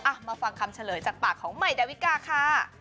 มาฟังคำเฉลยจากปากของใหม่ดาวิกาค่ะ